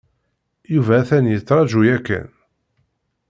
Yuba atan yettraju yakan.